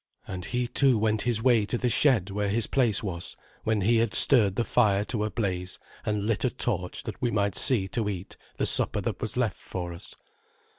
And he too went his way to the shed where his place was when he had stirred the fire to a blaze and lit a torch that we might see to eat the supper that was left for us.